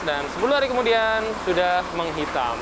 dan sepuluh hari kemudian sudah menghitam